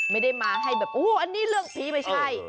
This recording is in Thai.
ไม่ได้มาให้แบบโอ้อันนี้เรื่องผีไม่ใช่